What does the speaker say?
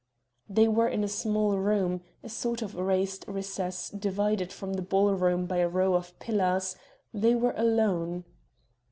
They were in a small room a sort of raised recess divided from the ball room by a row of pillars; they were alone.